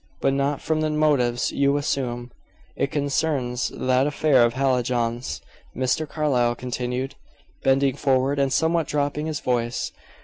But not from the motives you assume. It concerns that affair of Hallijohn's," Mr. Carlyle continued, bending forward, and somewhat dropping his voice.